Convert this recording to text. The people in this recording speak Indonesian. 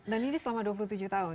dan ini selama dua puluh tujuh tahun